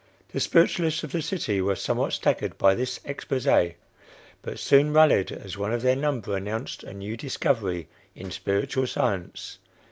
The spiritualists of the city were somewhat staggered by this exposé, but soon rallied as one of their number announced a new discovery in spiritual science.